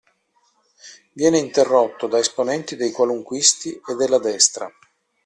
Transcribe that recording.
Viene interrotto da esponenti dei qualunquisti e della destra.